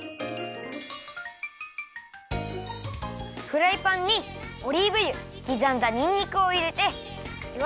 フライパンにオリーブ油きざんだにんにくをいれてよ